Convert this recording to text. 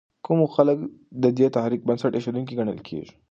کوم خلک د دې تحریک بنسټ ایښودونکي ګڼل کېږي؟